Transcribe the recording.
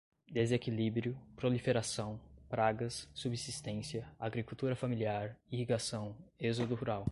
desequilíbrio, proliferação, pragas, subsistência, agricultura familiar, irrigação, êxodo rural